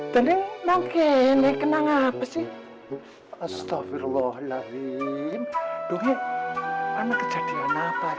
dan ini nongkein yang kenang apa sih astaghfirullahaladzim dong ya apa kejadian apa